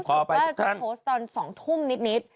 ว่าจะโพสต์ตอน๒ทุ่มนิด